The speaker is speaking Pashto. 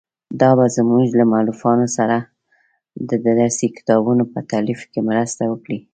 دا به زموږ له مؤلفانو سره د درسي کتابونو په تالیف کې مرسته وکړي.